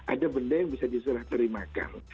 ada benda yang bisa diserah terimakan